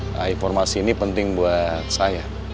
nah informasi ini penting buat saya